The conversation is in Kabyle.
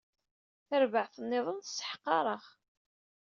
Tarbaɛt nniḍen tesseḥqer-aɣ.